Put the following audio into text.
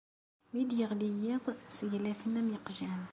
Mi d-iɣli yiḍ, sseglafen am yiqjan.